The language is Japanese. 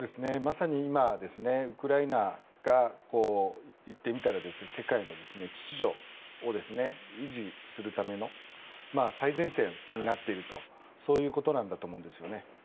まさに今ウクライナがいってみたら世界の秩序を維持するための最前線になっているとそういうことなんだと思うんですよね。